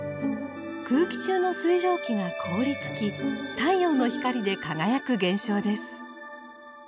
空気中の水蒸気が凍りつき太陽の光で輝く現象です。